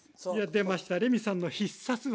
出ましたレミさんの必殺技！